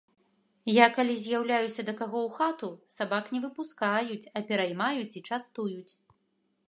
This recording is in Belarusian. Я калі з'яўлюся да каго ў хату, сабак не выпускаюць, а пераймаюць і частуюць.